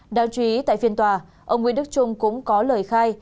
đáng chú ý tại phiên tòa ông nguyễn đức trung cũng có lời khai